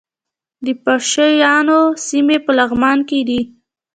د پشه یانو سیمې په لغمان کې دي